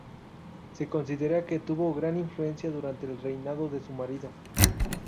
Se considera que tuvo gran influencia durante el reinado de su marido.